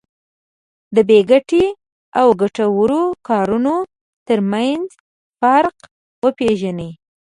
د بې ګټې او ګټورو کارونو ترمنځ فرق وپېژني.